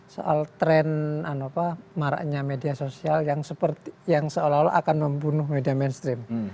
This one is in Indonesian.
soal tren maraknya media sosial yang seolah olah akan membunuh media mainstream